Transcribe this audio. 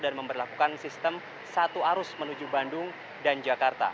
dan memperlakukan sistem satu arus menuju bandung dan jakarta